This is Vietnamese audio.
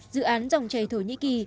dự án dòng chảy thổ nhĩ kỳ